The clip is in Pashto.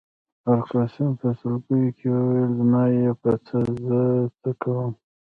فرګوسن په سلګیو کي وویل: زما يې په څه، زه څه کوم.